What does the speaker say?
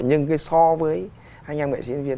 nhưng so với anh em nghệ sĩ diễn viên